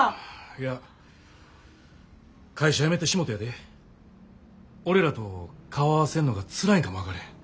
いや会社辞めてしもてやで俺らと顔合わせんのがつらいんかも分かれへん。